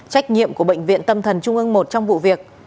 trách nhiệm của bệnh viện tâm thần trung ương một trong vụ việc